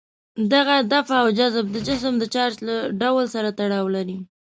دغه دفع او جذب د جسم د چارج له ډول سره تړاو لري.